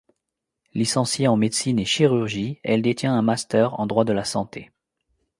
Licenciée en médecine et chirurgie, elle détient un master en droit de la santé.